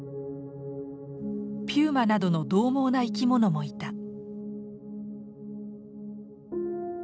ピューマなどのどう猛な生き物もいた。